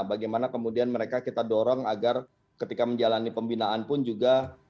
bagaimana kemudian mereka kita dorong agar ketika menjalani pembinaan pun juga